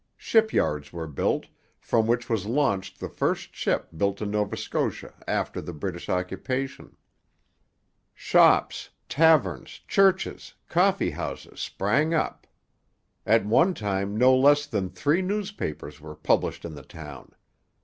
Ship yards were built, from which was launched the first ship built in Nova Scotia after the British occupation. Shops, taverns, churches, coffee houses, sprang up. At one time no less than three newspapers were published in the town.